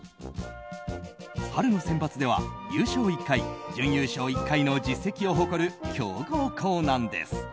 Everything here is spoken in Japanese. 春のセンバツでは優勝１回準優勝１回の実績を誇る強豪校なんです。